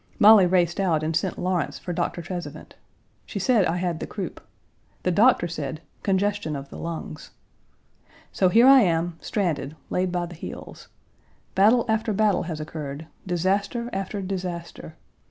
Molly raced out and sent Lawrence for Doctor Trezevant. She said I had the croup. The doctor said, "congestion of the lungs." So here I am, stranded, laid by the heels. Battle after battle has occurred, disaster after disaster.